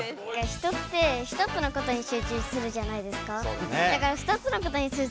人って１つのことに集中するじゃないですか。